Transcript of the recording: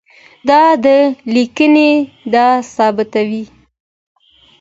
د ده لیکنې دا ثابتوي.